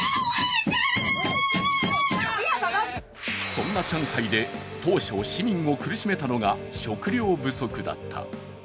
そんな上海で当初、市民を苦しめたのが食料不足だった。